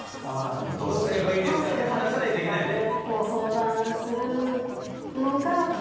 どうすればいいですかって話さないといけないよね。